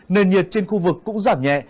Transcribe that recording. nền nhiệt trên khu vực cũng giảm nhẹ